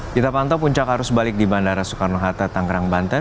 kita pantau puncak arus balik di bandara soekarno hatta tangerang banten